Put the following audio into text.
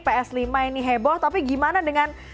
ps lima ini heboh tapi gimana dengan